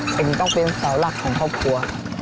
ผมต้องเป็นเสาหลักของครอบครัว